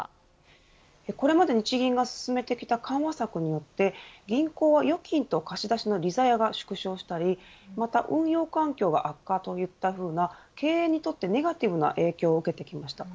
これまで日銀が進めてきた緩和策によって銀行は預金と貸し出しの利ざやが縮小したりまた運用環境が悪化といったような経営にとってネガティブな影響を受けてきました。